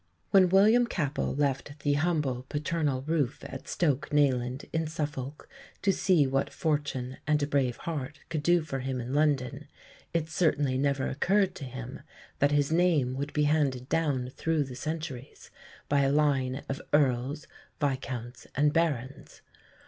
When William Capel left the humble paternal roof at Stoke Nayland, in Suffolk, to see what fortune and a brave heart could do for him in London, it certainly never occurred to him that his name would be handed down through the centuries by a line of Earls, Viscounts, and Barons.